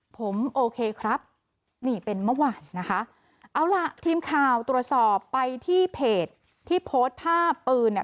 ผมโอเคครับนี่เป็นเมื่อวานนะคะเอาล่ะทีมข่าวตรวจสอบไปที่เพจที่โพสต์ภาพปืนเนี่ย